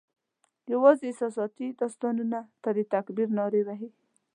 یوازي احساساتي داستانونو ته د تکبیر نارې وهي